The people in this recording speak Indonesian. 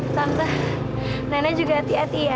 sampai nenek juga hati hati ya